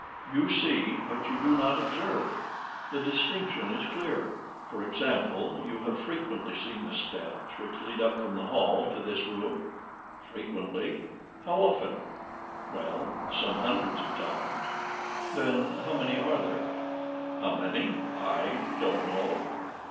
"You see, but you do not observe. The distinction is clear. For example, you have frequently seen the steps which lead up from the hall to this room." "Frequently." "How often?" "Well, some hundreds of times." "Then how many are there?" "How many? I don't know."